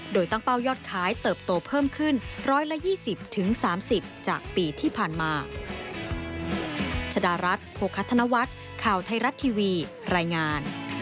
โดยตั้งเป้ายอดขายเติบโตเพิ่มขึ้น๑๒๐๓๐จากปีที่ผ่านมา